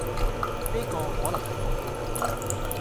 呢個可能係福氣嚟